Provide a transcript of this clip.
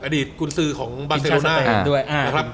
อดีตคุณซื้อของบาเซโรน่า